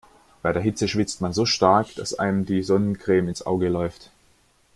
Bei der Hitze schwitzt man so stark, dass einem die Sonnencreme ins Auge läuft.